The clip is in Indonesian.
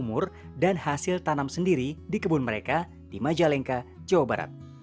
bambu yang cukup umur dan hasil tanam sendiri di kebun mereka di majalengka jawa barat